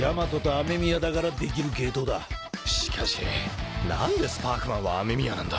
靴何でスパークマンは雨宮なんだ。